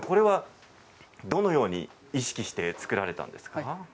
どのように意識して作られたんですか？